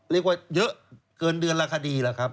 เรียกว่าเยอะเกินเดือนละคดีล่ะครับ